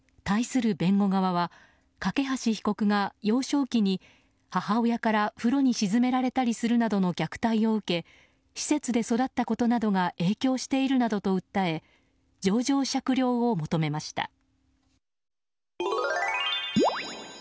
対する弁護側は梯被告が幼少期に母親から風呂に沈められたりするなどの虐待を受け施設で育ったことなどが影響しているなどと訴え情状酌量を求めました。